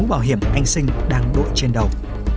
lòng bảo hiểm anh sinh đang đội trên đầu